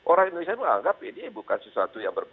orang indonesia itu menganggap ini bukan hal yang baik